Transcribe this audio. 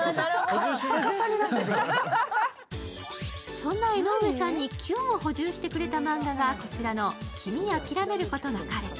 そんな江上さんにキュンを補充してくれたマンガがこちらの「きみ諦めることなかれ」。